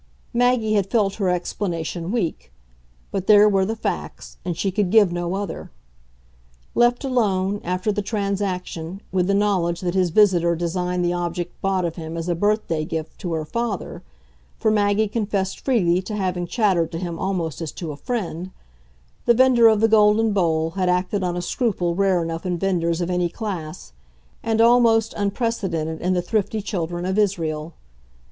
Maggie had felt her explanation weak; but there were the facts, and she could give no other. Left alone, after the transaction, with the knowledge that his visitor designed the object bought of him as a birthday gift to her father for Maggie confessed freely to having chattered to him almost as to a friend the vendor of the golden bowl had acted on a scruple rare enough in vendors of any class, and almost unprecedented in the thrifty children of Israel.